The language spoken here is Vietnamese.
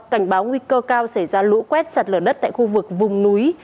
cảnh báo nguy cơ cao xảy ra lũ quét sạt lở đất tại khu vực vùng núi